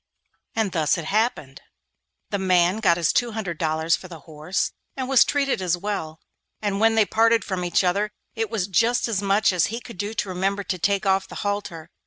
And thus it happened. The man got his two hundred dollars for the horse, and was treated as well, and when they parted from each other it was just as much as he could do to remember to take off the halter.